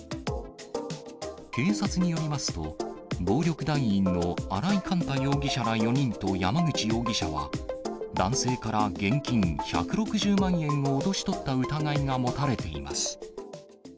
警察によりますと、暴力団員の荒井幹太容疑者ら４人と山口容疑者は、男性から現金１６０万円を脅し取った疑いが持たれています。